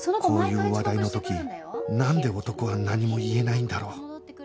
こういう話題の時なんで男は何も言えないんだろう？